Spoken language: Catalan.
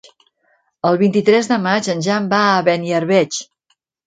El vint-i-tres de maig en Jan va a Beniarbeig.